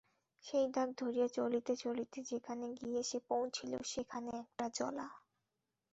সেই দাগ ধরিয়া চলিতে চলিতে যেখানে গিয়া সে পৌঁছিল সেখানে একটা জলা।